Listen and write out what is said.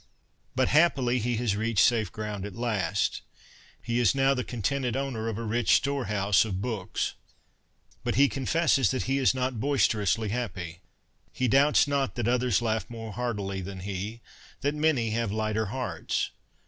But, happily, he has reached safe ground at last. He is now the contented owner of a rich storehouse of books. But he confesses that he is not boisterously happy. He doubts not that others laugh more heartily than he ; that many have lighter hearts.